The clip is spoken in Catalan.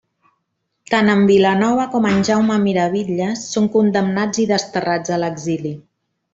Tant en Vilanova com en Jaume Miravitlles són condemnats i desterrats a l'exili.